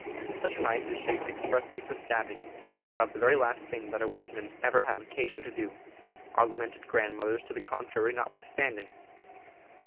Such a knife is shaped expressly for stabbing, which is about the very last thing that a woodsman ever has occasion to do, our lamented grand mothers to the contrary notwithstanding.